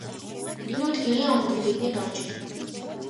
Энэ үед Гэрийн онгон тэднийд орж ирэв.